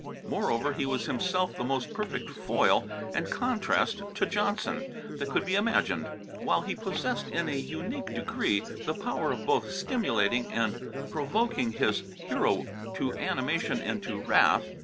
Moreover he was himself the most perfect foil and contrast to Johnson that could be imagined, while he possessed in a unique degree the power of both stimulating and provoking his hero to animation and to wrath.